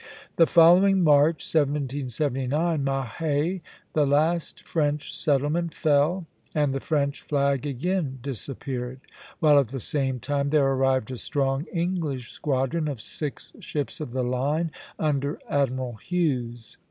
The following March, 1779, Mahé, the last French settlement, fell, and the French flag again disappeared; while at the same time there arrived a strong English squadron of six ships of the line under Admiral Hughes.